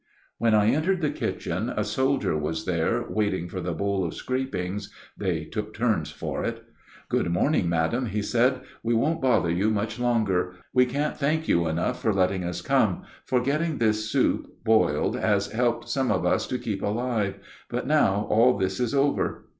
When I entered the kitchen a soldier was there waiting for the bowl of scrapings (they took turns for it). "Good morning, madam," he said; "we won't bother you much longer. We can't thank you enough for letting us come, for getting this soup boiled has helped some of us to keep alive; but now all this is over."